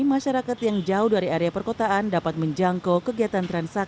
masyarakat yang jauh dari area perkotaan dapat menjangkau kegiatan transaksi dengan cara berbank